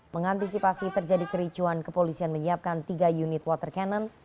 mengantisipasi terjadi kericuan kepolisian menyiapkan tiga unit water cannon